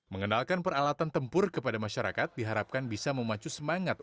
mengenalkan peralatan tempur kepada masyarakat diharapkan bisa memacu semangat